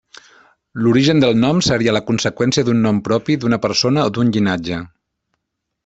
L'origen del nom seria la conseqüència d'un nom propi d'una persona o d'un llinatge.